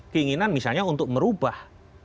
keinginan misalnya untuk merubah